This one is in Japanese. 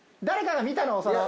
誰かが見たの？